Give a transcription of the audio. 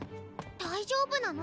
大丈夫なの？